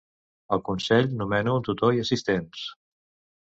El Consell nomena un tutor i assistents.